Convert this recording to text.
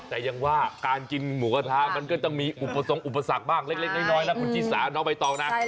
แต่ยังว่าการกินหมูกระทะมันก็ต้องมีอุปสรรคอุปสรรคบ้างเล็กน้อยนะคุณชิสาน้องใบตองนะ